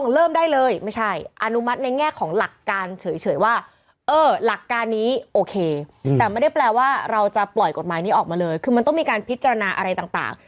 แต่มันไม่ใช่แปลว่าเราจะปล่อยกฎมายนี้ออกมาเลยคือมันต้องมีการพิจารณาอะไรต่าง